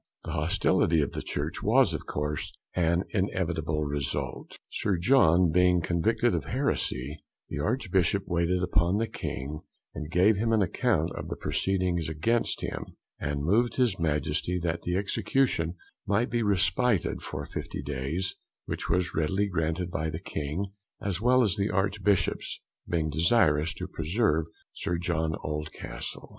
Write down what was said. The hostility of the church was, of course, an inevitable result. Sir John being convicted of heresy, the Archbishop waited upon the King, and gave him an account of the proceedings against him, and moved his Majesty that the execution might be respited for 50 days, which was readily granted by the King, as well as the Archbishops, being desirous to preserve Sir John Oldcastle.